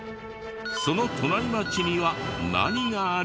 その隣町には何がある？